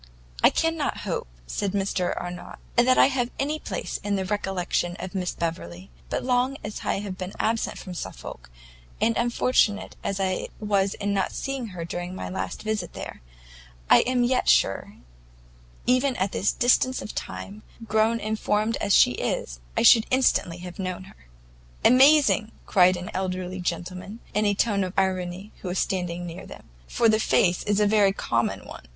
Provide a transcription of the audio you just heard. "I cannot hope," said Mr Arnott, "that I have any place in the recollection of Miss Beverley, but long as I have been absent from Suffolk, and unfortunate as I was in not seeing her during my last visit there, I am yet sure, even at this distance of time, grown and formed as she is, I should instantly have known her." "Amazing!" cried an elderly gentleman, in a tone of irony, who was standing near them, "for the face is a very common one!"